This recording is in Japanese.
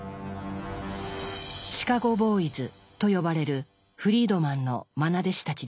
「シカゴ・ボーイズ」と呼ばれるフリードマンのまな弟子たちです。